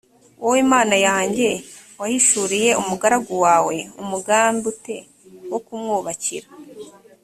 wowe mana yanjye wahishuriye umugaragu wawe umugambi u te wo kumwubakira